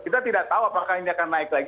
kita tidak tahu apakah ini akan naik lagi